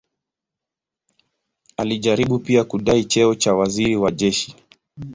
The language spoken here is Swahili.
Alijaribu pia kudai cheo cha waziri wa jeshi.